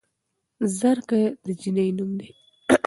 زرکه د جينۍ نوم دے